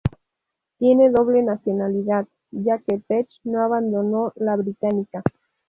Tiene doble nacionalidad, ya que Peck no abandonó la británica.